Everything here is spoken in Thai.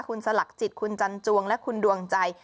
คุณสลักจิตคุณจันจวงและคุณดวงใจ